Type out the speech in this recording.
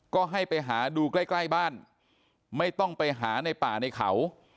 ก็ให้ไปหาดูใกล้ใกล้บ้านไม่ต้องไปหาในป่าในเขา